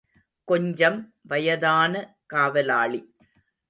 கொஞ்சம் வயதான காவலாளி.